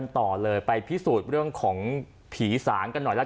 ต่อเลยไปพิสูจน์เรื่องของผีสางกันหน่อยละกัน